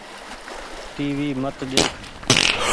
ٽي وي مت ۮيک ۔